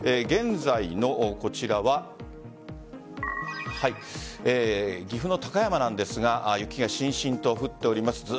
現在のこちらは岐阜の高山なんですが雪がしんしんと降っております。